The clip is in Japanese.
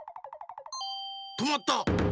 とまった！